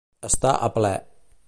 Estar a pler.